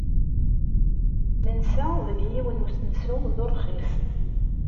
Nensa deg yiwen n usensu d urxis.